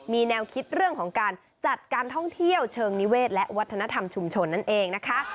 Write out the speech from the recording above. มีแนวคิดเรื่องของการจัดการท่องเที่ยวเชิงนิเวศและวัฒนธรรมชุมชนนั่นเองนะคะ